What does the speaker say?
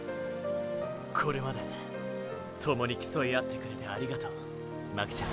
これまで共に競いあってくれてありがとう巻ちゃん。